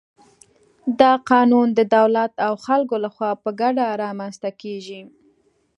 دا قوانین د دولت او خلکو له خوا په ګډه رامنځته کېږي.